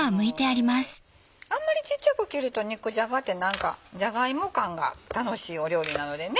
あんまり小っちゃく切ると肉じゃがって何かじゃが芋感が楽しい料理なのでね